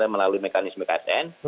melalui mekanisme ksn